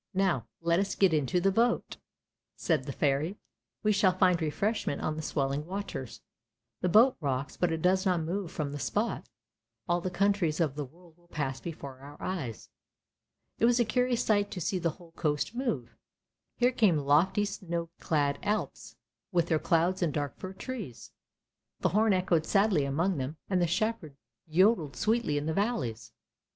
" Now let us get into the boat," said the Fairy. " We shall find refreshment on the swelling waters. The boat rocks, but it does not move from the spot, all the countries of the world will pass before our eyes." It was a curious sight to see the whole coast move. Here came lofty snow clad Alps, with their clouds and dark fir trees. The horn echoed sadly among them, and the shepherd yodelled sweetly in the valleys.